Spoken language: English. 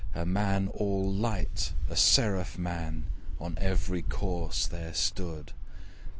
A man all light, a seraph man, On every corse there stood.